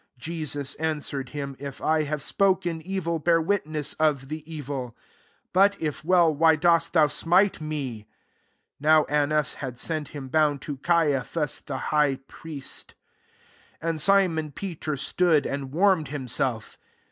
23 Jesus answer ed him, " If I have spoken evil, bear witness of , the evil : but if well, why dost thou smite me ?" 24 (JVbw Annas had sent him bound to Caiaphas the high prlest) 25 And Simon Peter stood and warmed himself.